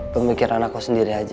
pemikiran aku sendiri aja